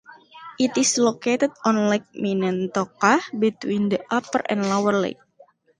It is located on Lake Minnetonka between the upper and lower lakes.